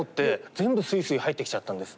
全部スイスイ入ってきちゃったんです。